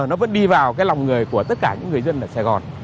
nó vẫn đi vào cái lòng người của tất cả những người dân ở sài gòn